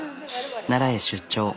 奈良へ出張。